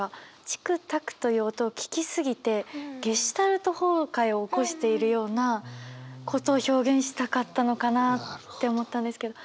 「チックタック」という音を聞き過ぎてゲシュタルト崩壊を起こしているようなことを表現したかったのかなって思ったんですけど。